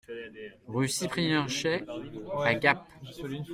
Rue Cyprien Chaix à Gap